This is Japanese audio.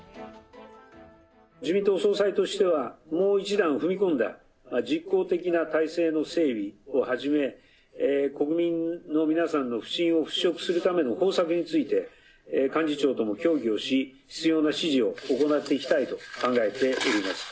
自民党総裁としては、もう一段踏み込んだ、実効的な体制の整備をはじめ、国民の皆さんの不信を払拭するための方策について、幹事長とも協議をし、必要な指示を行っていきたいと考えております。